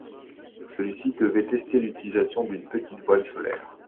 Celui-ci devait tester l'utilisation d'une petite voile solaire.